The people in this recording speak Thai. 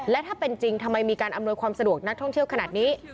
และถ้าเป็นจริงทำไมมีการอำนวยความสะดวกนักท่องเที่ยวขนาดนี้